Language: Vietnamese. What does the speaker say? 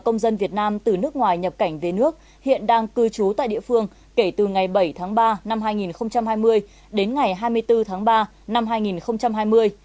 công dân việt nam từ nước ngoài nhập cảnh về nước hiện đang cư trú tại địa phương kể từ ngày bảy tháng ba năm hai nghìn hai mươi đến ngày hai mươi bốn tháng ba năm hai nghìn hai mươi